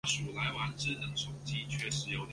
警方显然曾服用过量的安眠药自杀。